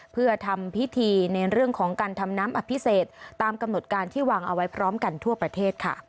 เพื่อทำพิธีในเรื่องของการทำน้ำอภิเษกตามกำหนดการที่วางเอาไว้พร้อมกันทั่วประเทศค่ะ